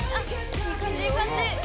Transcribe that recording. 「いい感じいい感じ！」